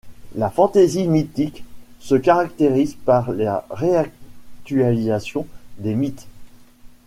La fantasy mythique se caractérise par la réactualisation des mythes.